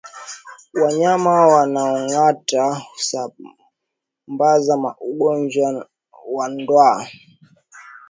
Wanyama wanaongata husambaza ugonjwa wa ndwa